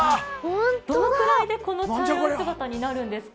どのぐらいでこの茶色い姿になるんですか？